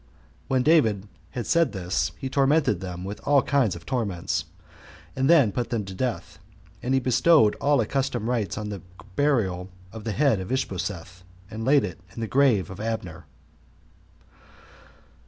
When David had said this, he tormented them with all sorts of torments, and then put them to death; and he bestowed all accustomed rites on the burial of the head of Ishbosheth, and laid it in the grave of Abner.